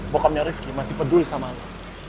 bokapnya rifki masih peduli sama lo